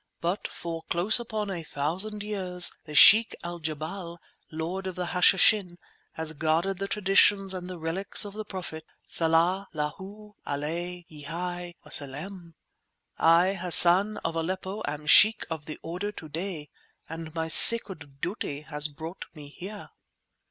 But for close upon a thousand years the Sheikh al jebal, Lord of the Hashishin, has guarded the traditions and the relics of the Prophet, Salla 'llahu 'ale yhi wasellem! I, Hassan of Aleppo, am Sheikh of the Order to day, and my sacred duty has brought me here."